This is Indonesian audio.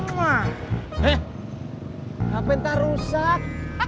nggak pentar rusak